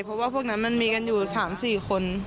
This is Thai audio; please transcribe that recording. เพราะว่าพวกนั้นมันมีกันอยู่๓๔คน